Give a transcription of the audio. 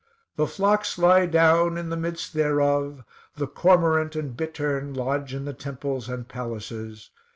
"The flocks lie down in the midst thereof: the cormorant and bittern lodge in the temples and palaces.